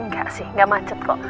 gak sih gak macet kok